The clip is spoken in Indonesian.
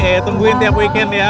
oke tungguin tiap weekend ya